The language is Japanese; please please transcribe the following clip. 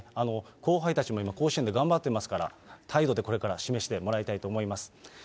後輩たちも甲子園で頑張っていますから、態度でこれから示してもらいたいと思います。